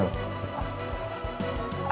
kan kamu harus handle